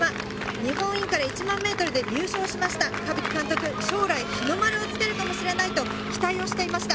日本インカレ１００００ｍで優勝しました冠木監督、将来日の丸をつけるかもしれないと期待をしていました。